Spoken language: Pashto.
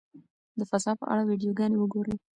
د فضا په اړه ویډیوګانې وګورئ.